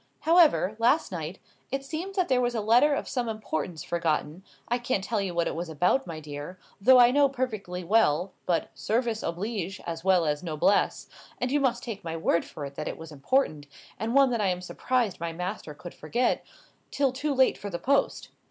However, last night, it seems that there was a letter of some importance forgotten (I can't tell you what it was about, my dear, though I know perfectly well, but 'service oblige,' as well as 'noblesse,' and you must take my word for it that it was important, and one that I am surprised my master could forget), till too late for the post.